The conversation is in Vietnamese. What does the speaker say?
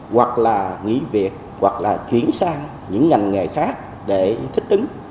hoặc là nghỉ việc hoặc là chuyển sang những ngành nghề khác để thích ứng